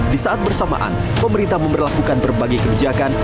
di saat bersamaan pemerintah memperlakukan berbagai kebijakan